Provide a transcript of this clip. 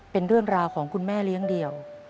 เป็นเรื่องราวของคุณแม่เลี้ยงเดี่ยว